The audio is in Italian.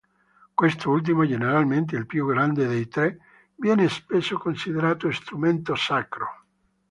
Quest'ultimo, generalmente il più grande dei tre, viene spesso considerato strumento "sacro".